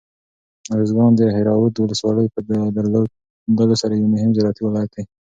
ارزګان د دهراود ولسوالۍ په درلودلو سره یو مهم زراعتي ولایت دی.